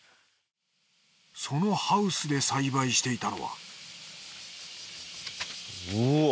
そのハウスで栽培していたのはうわっ！